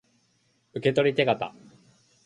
受取手形